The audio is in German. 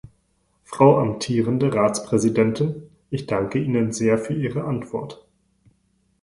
Frau amtierende Ratspräsidentin, ich danke Ihnen sehr für Ihre Antwort.